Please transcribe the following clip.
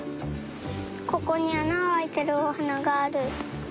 ここにあながあいてるおはながある。